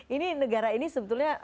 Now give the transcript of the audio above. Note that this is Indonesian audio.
ini negara ini sebetulnya